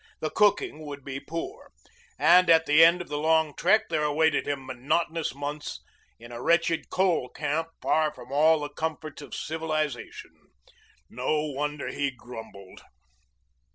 The cooking would be poor. And at the end of the long trek there awaited him monotonous months in a wretched coal camp far from all the comforts of civilization. No wonder he grumbled.